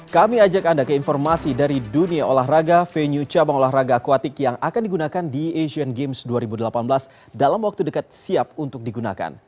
kami ajak anda ke informasi dari dunia olahraga venue cabang olahraga akuatik yang akan digunakan di asian games dua ribu delapan belas dalam waktu dekat siap untuk digunakan